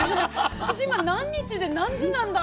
私今何日で何時なんだろうって。